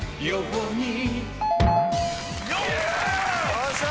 よっしゃ。